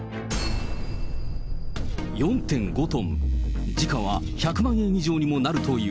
４．５トン、時価は１００万円以上にもなるという。